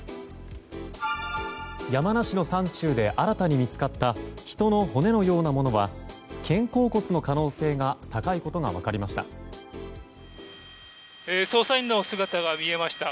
山梨の山中で新たに見つかった人の骨のようなものは肩甲骨の可能性が高いことが分かりました。